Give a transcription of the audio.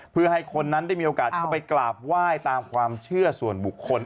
เพื่อให้คนนั้นได้มีโอกาสเข้าไปกราบไหว้ตามความเชื่อส่วนบุคคล